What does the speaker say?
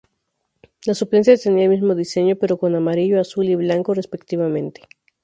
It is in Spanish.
La suplente tenía el mismo diseño, pero con amarillo, azul y blanco, respectivamente.